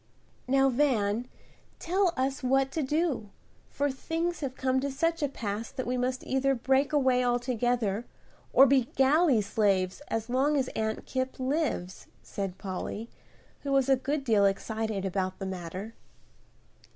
"Now, Van, tell us what to do, for things have come to such a pass that we must either break away altogether or be galley slaves as long as Aunt Kipp lives," said Polly, who was a good deal excited about the matter.